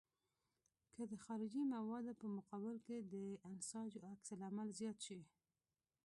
که د خارجي موادو په مقابل کې د انساجو عکس العمل زیات شي.